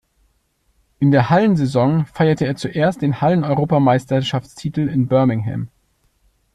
In der Hallensaison feierte er zuerst den Hallen-Europameisterschaftstitel in Birmingham.